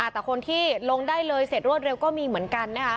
แต่คนที่ลงได้เลยเสร็จรวดเร็วก็มีเหมือนกันนะคะ